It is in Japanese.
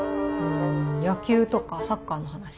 ん野球とかサッカーの話